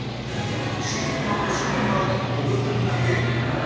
新作＆新メンバーで踊りたくない芸人